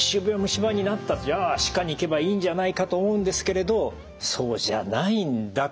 じゃあ歯科に行けばいいんじゃないかと思うんですけれどそうじゃないんだと。